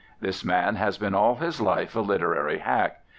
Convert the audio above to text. This man has been all his life a literary hack.